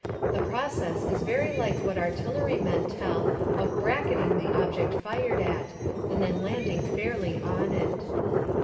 The process is very like what artillery men tell of "bracketing" the object fired at, and then landing fairly on it.